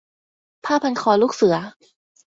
- ผ้าพันคอลูกเสือ